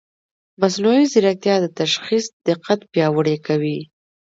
مصنوعي ځیرکتیا د تشخیص دقت پیاوړی کوي.